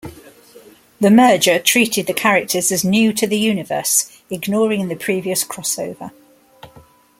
The merger treated the characters as new to the universe, ignoring the previous crossover.